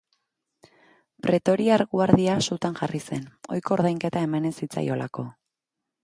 Pretoriar Guardia sutan jarri zen, ohiko ordainketa eman ez zitzaiolako.